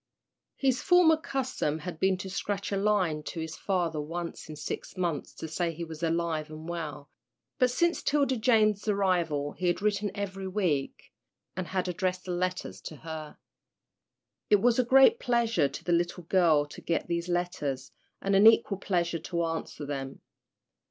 His former custom had been to scratch a line to his father once in six months to say he was alive and well, but since 'Tilda Jane's arrival he had written every week, and had addressed his letters to her. It was a great pleasure to the little girl to get these letters, and an equal pleasure to answer them.